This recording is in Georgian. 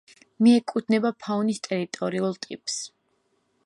მიეკუთვნება ფაუნის ტერიტორიულ ტიპს.